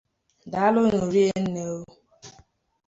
Akụkọ ndị Voice of Nigeria